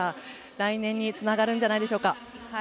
来年につながるんじゃないでしょうか。